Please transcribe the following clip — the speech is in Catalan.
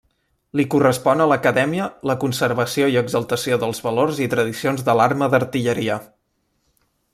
Li correspon a l'Acadèmia la conservació i exaltació dels valors i tradicions de l'Arma d'Artilleria.